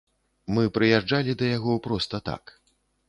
Мы прыязджалі да яго проста так.